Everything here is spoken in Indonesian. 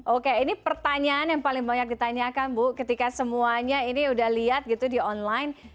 oke ini pertanyaan yang paling banyak ditanyakan bu ketika semuanya ini udah lihat gitu di online